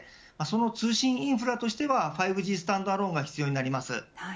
その通信インフラとしては５Ｇスタンドアローンが必要になります。